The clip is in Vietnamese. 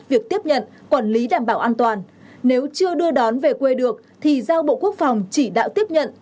việc tiếp nhận quản lý đảm bảo an toàn nếu chưa đưa đón về quê được thì giao bộ quốc phòng chỉ đạo tiếp nhận